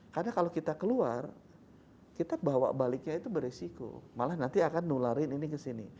karena kalau kita keluar kita bawa baliknya itu beresiko malah nanti akan nularin ini ke sini